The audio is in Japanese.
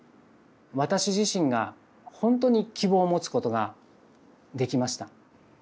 私自身がほんとに希望を持つことができました。